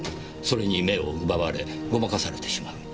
それに目を奪われごまかされてしまう。